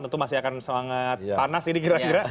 tentu masih akan sangat panas ini kira kira